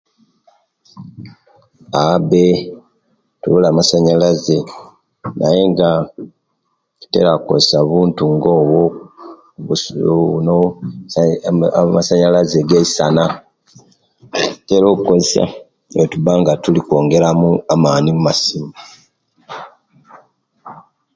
Aah be tubula masanyalaze naye nga tutera kozesia buntu nga'obwo busilo buno eemh amasanyalaze ageisana gentera okozesia netubanga tukwongeramu amani mumasimu